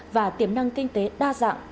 và tiềm năng kinh tế đa dạng